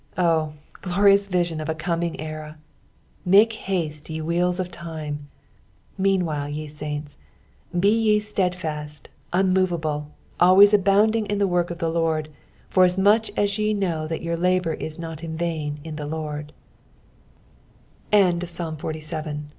Oh, glorious vision of a coining era ! Hake haste, ye wheels of time 1 Meanwhile, ye saints, " Be ye steadfast, unmovabie, always abounding in the work of the Lord, foraamuch as ye know that your labour is not in vain in the L